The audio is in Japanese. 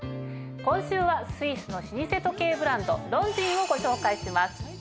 今週はスイスの老舗時計ブランドロンジンをご紹介します。